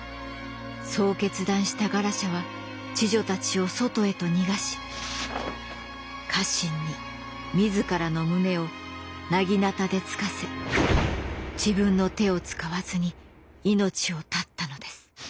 そう決断したガラシャは侍女たちを外へと逃がし家臣に自らの胸を薙刀で突かせ自分の手を使わずに命を絶ったのです。